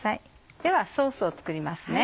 ではソースを作ります。